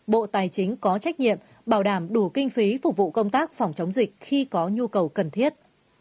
bộ tài chính có trách nhiệm bảo đảm đủ kinh phí phục vụ công tác phòng chống dịch khi có nhu cầu cần thiết